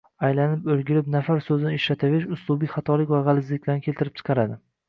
Aylanib-oʻrgilib nafar soʻzini ishlataverish uslubiy xatolik va gʻalizliklarni keltirib chiqaradi